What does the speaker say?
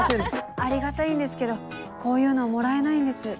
ありがたいんですけどこういうのもらえないんです。